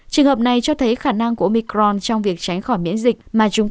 trường hợp này cho thấy khả năng của omicron trong việc tránh khỏi miễn dịch